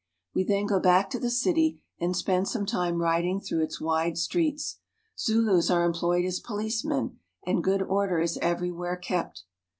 We then go back to the city and spend some time riding through its wide streets. Zulus are employed as policemen, and ' good order is everywhere kept.